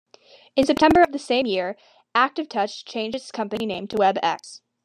In September of the same year, ActiveTouch changed its company name to WebEx.